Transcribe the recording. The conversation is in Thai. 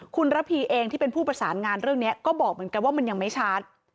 คุณระพีเองที่เป็นผู้ประสานงานเรื่องนี้ก็บอกเหมือนกันว่ามันยังไม่ชัด